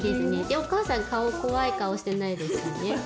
お母さん顔怖い顔してないですよね？